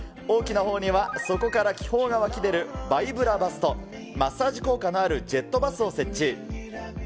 大きなほうにはそこから気泡が湧き出るバイブラバスと、マッサージ効果のあるジェットバスを設置。